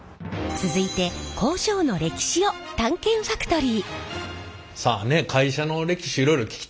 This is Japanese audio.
続いて工場の歴史を探検ファクトリー！